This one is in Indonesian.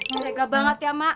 mereka banget ya mak